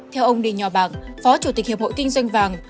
theo ông đình nhò bằng phó chủ tịch hiệp hội kinh doanh vàng